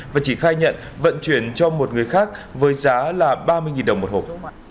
và chỉ khai nhận vận chuyển cho một người khác với giá là ba mươi đồng một hộp